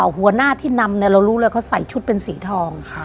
หัวหน้าที่นำเนี่ยเรารู้เลยเขาใส่ชุดเป็นสีทอง